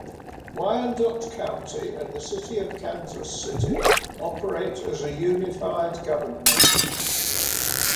Wyandotte County and the city of Kansas City operate as a unified government.